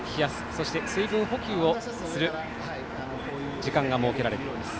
そして、水分補給をする時間が設けられています。